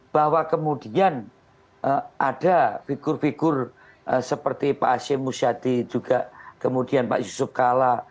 bahwa kemudian ada figur figur seperti pak hashim musyadi juga kemudian pak yusuf kalla